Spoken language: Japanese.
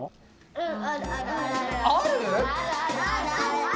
うん。